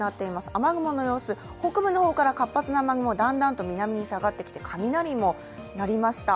雨雲様子、北部の方から活発な雨雲がだんだんと南に下がってきて、雷も鳴りました。